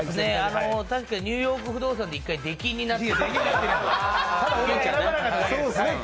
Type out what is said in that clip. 確か「ニューヨーク不動産」で１回、出禁になって。